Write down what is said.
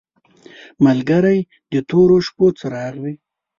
ملګری د تورو شپو څراغ وي.